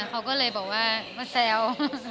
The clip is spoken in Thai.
เขาก็เลยบอกว่ามาแซว